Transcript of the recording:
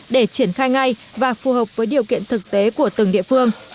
để triển khai ngay và phù hợp với điều kiện thực tế của từng địa phương